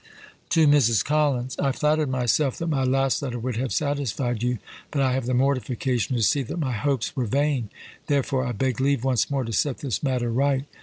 TO MRS. COLLINS. I flattered myself that my last letter would have satisfied you, but I have the mortification to see that my hopes were vain. Therefore I beg leave once more to set this matter right.